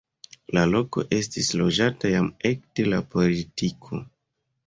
La loko estis loĝata jam ekde la paleolitiko.